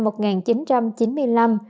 nguyễn chí nguyễn sinh năm hai nghìn